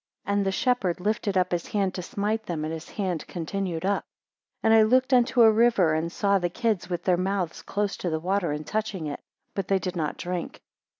9 And the shepherd lifted up his hand to smite them, and his hand continued up. 10 And I looked unto a river, and saw the kids with their mouths close to the water, and touching it, but they did not drink.